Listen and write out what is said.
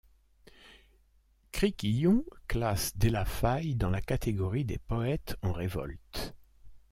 Crickillon classe della Faille dans la catégorie des poètes en révolte.